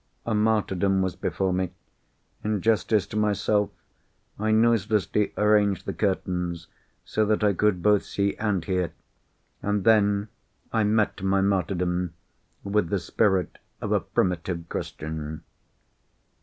A martyrdom was before me. In justice to myself, I noiselessly arranged the curtains so that I could both see and hear. And then I met my martyrdom, with the spirit of a primitive Christian.